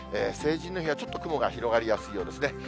成人の日はちょっと雲が広がりやすいようですね。